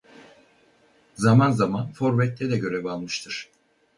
Zaman zaman forvette de görev almıştır.